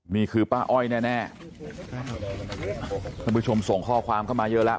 นี่คือป้าอ้อยแน่ท่านผู้ชมส่งข้อความเข้ามาเยอะแล้ว